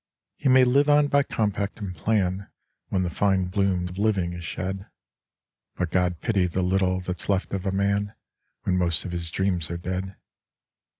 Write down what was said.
He may live on by compact and plan When the fine bloom of living is shed, But God pity the little that's left of a man When most of his dreams are dead.